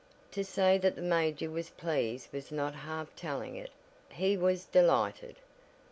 To say that the major was pleased was not half telling it he was delighted.